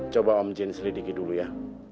coba om jin selidiki dulu ya